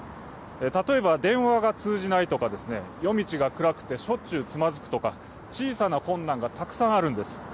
例えば電話が通じないとか、夜道が暗くてしょっちゅうつまずくとか、小さな困難がたくさんあるんです。